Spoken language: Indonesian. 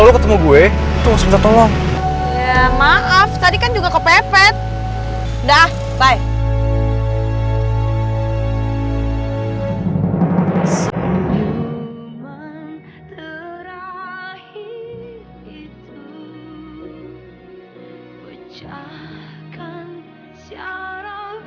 lagi kasi renaissance